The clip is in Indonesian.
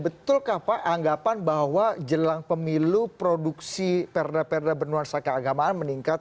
betulkah pak anggapan bahwa jelang pemilu produksi perda perda benuan saka agamaan meningkat